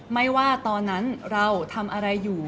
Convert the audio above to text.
ไม่ว่าตอนนั้นเราทำอะไรอยู่